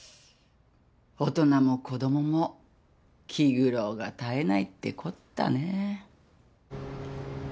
大人も子供も気苦労が絶えないってこったねぇ。